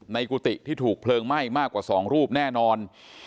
กุฏิที่ถูกเพลิงไหม้มากกว่า๒รูปแน่นอน